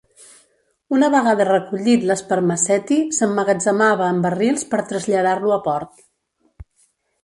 Una vegada recollit l'espermaceti, s'emmagatzemava en barrils per traslladar-lo a port.